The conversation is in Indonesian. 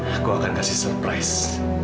aku akan kasih surprise